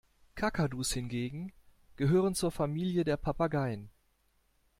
Kakadus hingegen gehören zur Familie der Papageien.